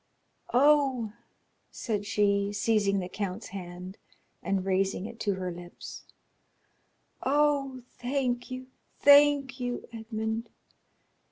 "Oh," said she, seizing the count's hand and raising it to her lips; "oh, thank you, thank you, Edmond!